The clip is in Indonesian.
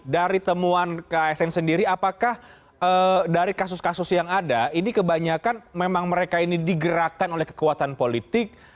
dari temuan ksn sendiri apakah dari kasus kasus yang ada ini kebanyakan memang mereka ini digerakkan oleh kekuatan politik